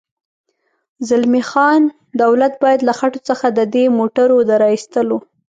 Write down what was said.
زلمی خان: دولت باید له خټو څخه د دې موټرو د را اېستلو.